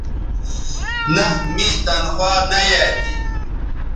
نہء می تنخوا نہ یایئ تھی